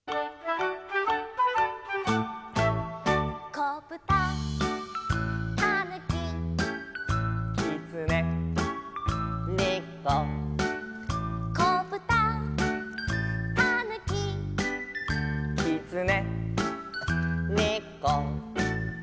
「こぶた」「たぬき」「きつね」「ねこ」「こぶた」「たぬき」「きつね」「ねこ」